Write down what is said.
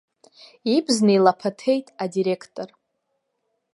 Ибз неилаԥаҭеит адиреқтор.